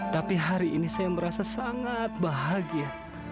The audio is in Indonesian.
tapi hari ini saya merasa sangat bahagia